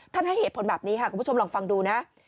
ให้เหตุผลแบบนี้ค่ะคุณผู้ชมลองฟังดูนะ